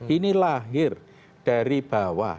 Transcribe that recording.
ini lahir dari bawah